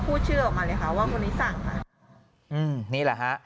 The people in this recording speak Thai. อืมนี่แหละฮะ